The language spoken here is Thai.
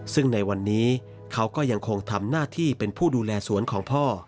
ซึ่งในวันนี้เขาก็ยังคงทำหน้าที่เป็นผู้ดูแลสวนของพ่อ